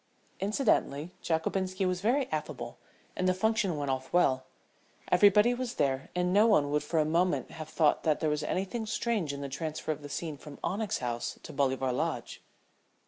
Incidentally, Jockobinski was very affable and the function went off well. Everybody was there and no one would for a moment have thought that there was anything strange in the transfer of the scene from Onyx House to Bolivar Lodge.